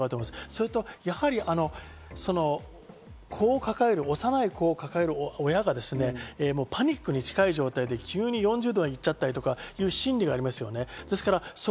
それとやはり子を抱える、幼い子を抱える親がパニックに近い状態で急に４０度にいっちゃったりとかいう心理がありますね。